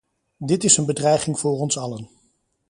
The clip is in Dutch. Dit is een bedreiging voor ons allen.